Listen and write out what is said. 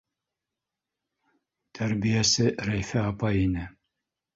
Тәрбиәсе Рәйфә апай ине.